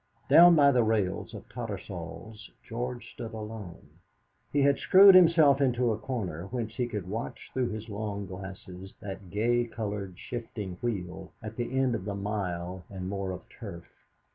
Down by the rails of Tattersall's George stood alone. He had screwed himself into a corner, whence he could watch through his long glasses that gay coloured, shifting wheel at the end of the mile and more of turf.